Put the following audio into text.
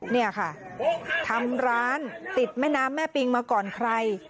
นี่ค่ะทำร้านติดแม่น้ำแม่ปิงมาก่อนใคร